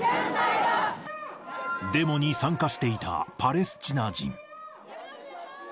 デモに参加していたパレスチナ人。